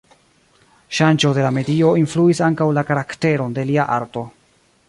Ŝanĝo de la medio influis ankaŭ la karakteron de lia arto.